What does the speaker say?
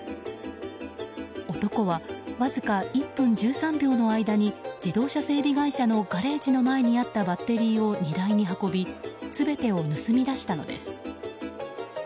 男はわずか１分１３秒の間に自動車整備会社のガレージの前にあったバッテリーを荷台に運び全てを盗み出したのです。